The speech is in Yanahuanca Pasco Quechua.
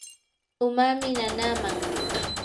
umami nanaaman.